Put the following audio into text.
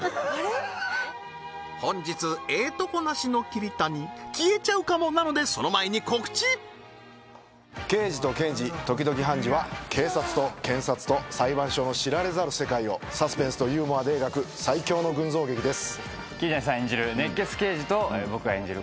本日ええとこなしの桐谷消えちゃうかもなのでその前に告知ケイジとケンジ、時々ハンジ。は警察と検察と裁判所の知られざる世界をサスペンスとユーモアで描く最強の群像劇です桐谷さん演じる熱血刑事と僕が演じる